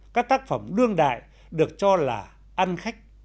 các tác phẩm đương đại được cho là ăn khách